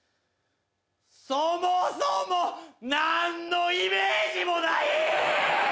そもそも何のイメージもない！